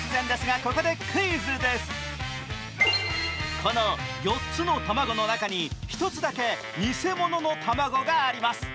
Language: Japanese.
この４つの卵の中に１つだけ偽物の卵があります。